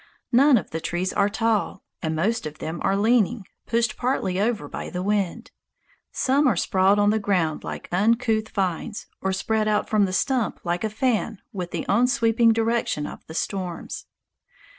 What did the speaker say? None of the trees are tall, and most of them are leaning, pushed partly over by the wind. Some are sprawled on the ground like uncouth vines or spread out from the stump like a fan with the onsweeping direction of the storms.